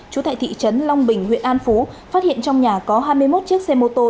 trú tại thị trấn long bình huyện an phú phát hiện trong nhà có hai mươi một chiếc xe mô tô